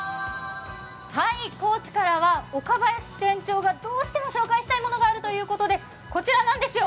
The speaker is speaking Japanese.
高知からは岡林店長がどうしても紹介したいものがあるということで、こちらなんですよ。